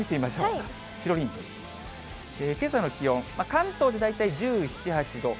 けさの気温、関東で大体１７、８度。